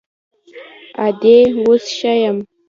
_ادې، اوس ښه يم.